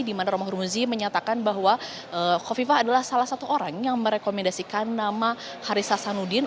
di mana romahur muzi menyatakan bahwa kofifah adalah salah satu orang yang merekomendasikan nama haris hasanuddin